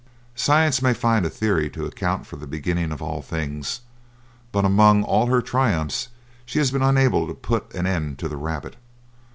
Science may find a theory to account for the beginning of all things, but among all her triumphs she has been unable to put an end to the rabbit.